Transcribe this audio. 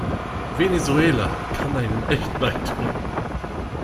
Venezuela kann einem echt leid tun.